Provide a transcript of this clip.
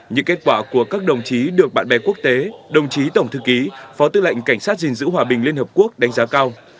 những kết quả của các đồng chí được bạn bè quốc tế đồng chí tổng thư ký phó tư lệnh cảnh sát gìn giữ hòa bình liên hợp quốc đánh giá cao